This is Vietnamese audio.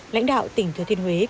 lãnh đạo tỉnh thừa thiên huế